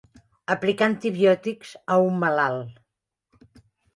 Aplicar antibiòtics a un malalt.